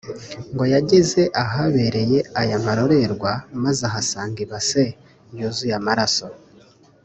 ngo yageze ahabereye aya marorerwa maze ahasanga ibase yuzuye amaraso